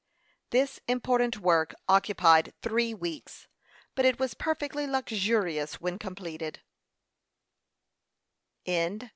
This important work occupied three weeks; but it was perfectly luxurious when completed.